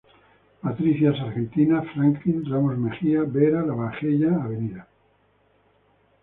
Patricias Argentinas, Franklin, Ramos Mejia, Vera, Lavalleja, Av.